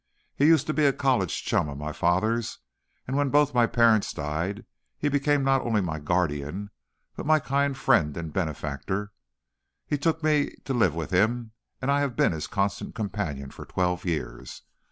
He used to be a college chum of my father's and when both my parents died, he became not only my guardian but my kind friend and benefactor. He took me to live with him, and I have been his constant companion for twelve years.